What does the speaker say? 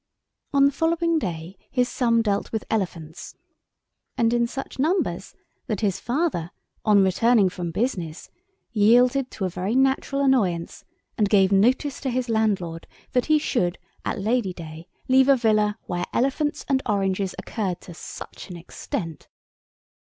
On the following day his sum dealt with elephants, and in such numbers that his father, on returning from business, yielded to a very natural annoyance, and gave notice to his landlord that he should, at Lady Day, leave a villa where elephants and oranges occurred to such an extent.